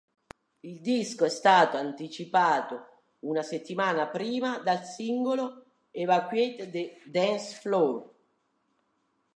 Il disco è stato anticipato una settimana prima dal singolo "Evacuate the Dancefloor".